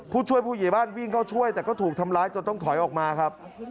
ผู้ช่วยผู้ใหญ่บ้านวิ่งเข้าช่วยแต่ก็ถูกทำร้ายจนต้องถอยออกมาครับ